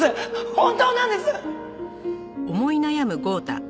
本当なんです！